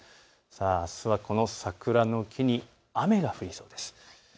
あすはこの桜の木に雨が降りそうです。